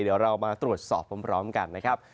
เดี๋ยวเรามาตรวจสอบพร้อมกันนะครับ